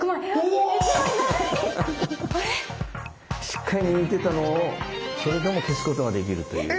しっかり握っていたのをそれでも消すことができるという。